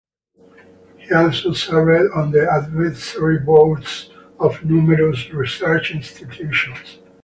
He also served on the advisory boards of numerous research institutions.